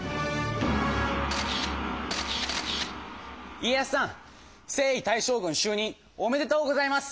家康さん征夷大将軍しゅう任おめでとうございます！